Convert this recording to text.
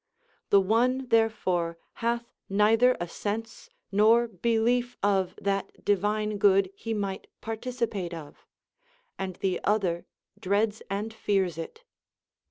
The one therefore hath neither a sense nor belief of that divine good he might participate of ; and the other dreads and fears it.